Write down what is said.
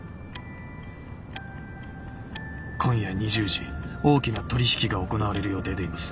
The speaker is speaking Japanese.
今夜２０時大きな取引が行われる予定でいます。